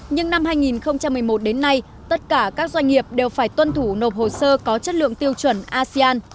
nhưng năm hai nghìn một mươi một đến nay tất cả các doanh nghiệp đều phải tuân thủ nộp hồ sơ có chất lượng tiêu chuẩn asean